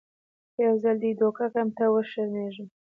که یو ځل دې دوکه کړم ته وشرمېږه .